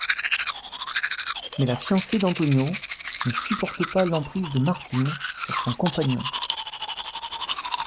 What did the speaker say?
Mais la fiancée d'Antonio, ne supporte pas l'emprise de Martine sur son compagnon.